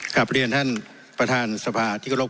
กลับเฉินกับท่านอำเตรียครับ